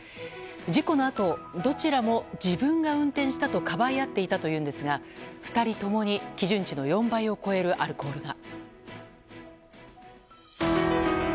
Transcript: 事故のあとどちらも自分が運転したとかばい合っていたというんですが２人ともに、基準値の４倍を超えるアルコールが。